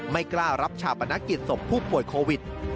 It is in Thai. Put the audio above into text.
ไม่กล้ารับชาปนกิจศพผู้ป่วยโควิด